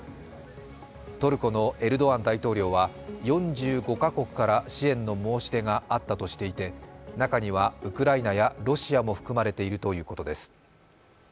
トルコのエルドアン大統領は４５か国から支援の申し出があったとしていて中には、ウクライナやロシアも含まれているということです。